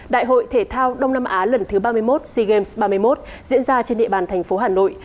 đại hội thể thao đông nam á lần thứ ba mươi một sea games ba mươi một diễn ra trên địa bàn thành phố hà nội